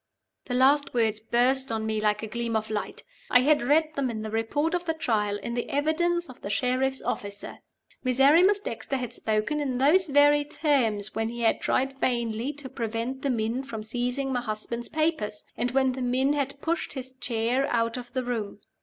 '" The last words burst on me like a gleam of light! I had read them in the Report of the Trial in the evidence of the sheriff's officer. Miserrimus Dexter had spoken in those very terms when he had tried vainly to prevent the men from seizing my husband's papers, and when the men had pushed his chair out of the room.